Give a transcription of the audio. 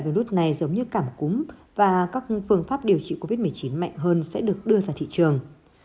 virus này giống như cảm cúm và các phương pháp điều trị covid một mươi chín mạnh hơn sẽ được đưa ra thị trường